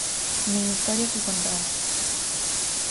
Nin historia que contar.